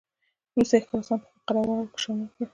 وروسته یې خراسان په خپل قلمرو کې شامل کړ.